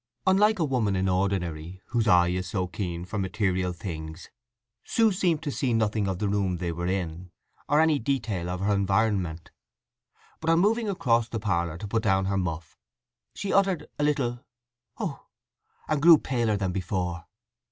Unlike a woman in ordinary, whose eye is so keen for material things, Sue seemed to see nothing of the room they were in, or any detail of her environment. But on moving across the parlour to put down her muff she uttered a little "Oh!" and grew paler than before.